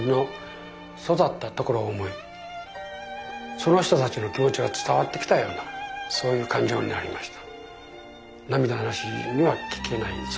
その人たちの気持ちが伝わってきたようなそういう感情になりました。